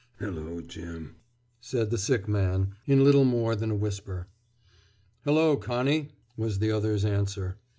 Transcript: "Hello, Jim!" said the sick man, in little more than a whisper. "Hello, Connie!" was the other's answer.